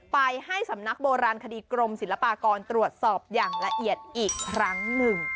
ไปให้สำนักโบราณคดีกรมศิลปากรตรวจสอบอย่างละเอียดอีกครั้งหนึ่ง